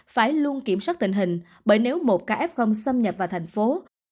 phải luôn kiểm soát tình hình bởi nếu một kf xâm nhập vào thành phố